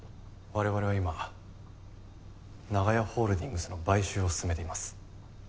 我々は今長屋ホールディングスの買収を進めています。